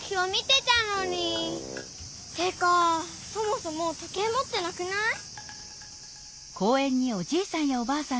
てかそもそも時計もってなくない？